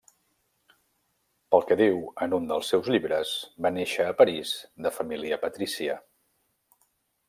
Pel que diu en un dels seus llibres va néixer a París de família patrícia.